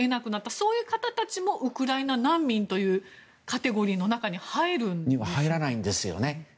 そういう方たちもウクライナ難民というカテゴリーに入るんですか？